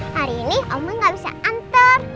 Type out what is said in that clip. hari ini omong gak bisa antar